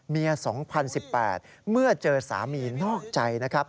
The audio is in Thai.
เมีย๒๐๑๘เมื่อเจอสามีนอกใจนะครับ